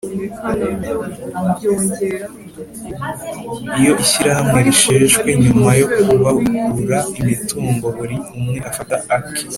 Iyo Ishyirahamwe risheshwe nyuma yo kubarura imitungo buri umwe afata ake